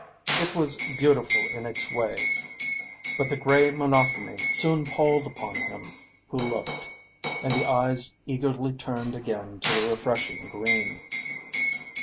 It was beautiful in its way, but the grey monotony soon palled upon him who looked, and the eyes eagerly turned again to the refreshing green.